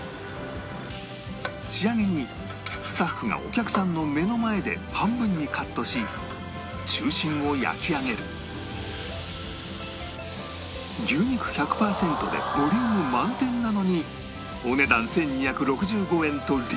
仕上げにスタッフがお客さんの目の前で半分にカットし中心を焼き上げる牛肉１００パーセントでボリューム満点なのにお値段１２６５円とリーズナブル